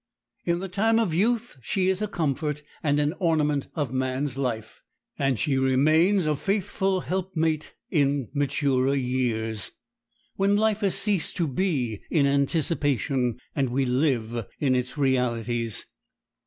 In the time of youth she is a comfort and an ornament of man's life, and she remains a faithful helpmate in maturer years, when life has ceased to be in anticipation, and we live in its realities.